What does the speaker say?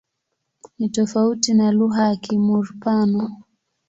Ni tofauti na lugha ya Kimur-Pano.